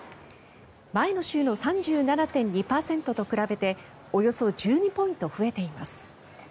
前の週の３７．２％と比べておよそ１２ポイント増えています。